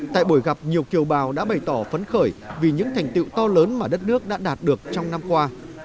tại buổi gặp nhiều kiều bào đã bày tỏ phấn khởi vì những thành tiệu to lớn mà đất nước đã đạt được trong năm qua